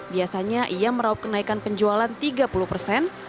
biasanya ia meraup kenaikan penjualan tiga puluh persen